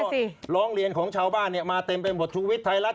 เพราะร้องเรียนของชาวบ้านมาเต็มไปหมด